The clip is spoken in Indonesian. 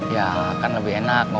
ya kan lebih enak ngobrol sambil minum